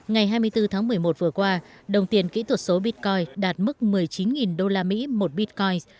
ngày hai mươi bốn tháng một mươi một vừa qua đồng tiền kỹ thuật số bitcoin đạt mức một mươi chín đô la mỹ một bitcoin